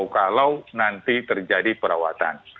kalau nanti terjadi perawatan